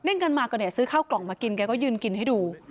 กันมาก็เนี่ยซื้อข้าวกล่องมากินแกก็ยืนกินให้ดู